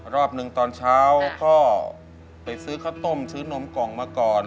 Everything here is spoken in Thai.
รอบหนึ่งตอนเช้าก็ไปซื้อข้าวต้มซื้อนมกล่องมาก่อน